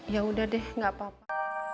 ya udah deh gak apa apa